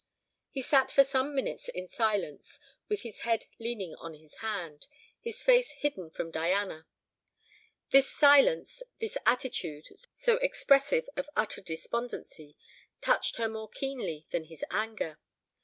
He sat for some minutes in silence, with his head leaning on his hand, his face hidden from Diana. This silence, this attitude, so expressive of utter despondency, touched her more keenly than his anger.